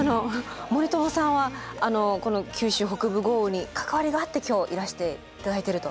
森友さんはこの九州北部豪雨に関わりがあって今日いらしていただいてると。